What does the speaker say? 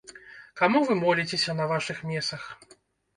Каму вы моліцеся на вашых месах?